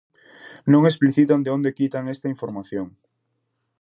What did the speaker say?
Non explicitan de onde quitan esta información.